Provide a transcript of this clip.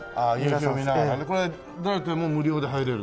これ誰でも無料で入れる？